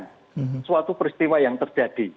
untuk menggambarkan suatu peristiwa yang terjadi